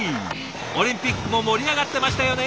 オリンピックも盛り上がってましたよね